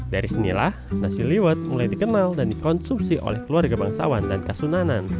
dari sinilah nasi liwet mulai dikenal dan dikonsumsi oleh keluarga bangsawan dan kasunanan